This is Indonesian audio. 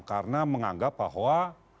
karena menganggap bahwa